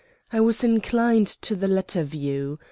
I was inclined to the latter view.